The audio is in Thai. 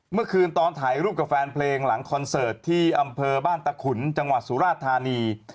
เมื่อคืนตอนถ่ายรูปกับแฟนเพลงหลังคอนเสิร์ตที่อำเภอบ้านตะขุนจังหวัดสุราชธานี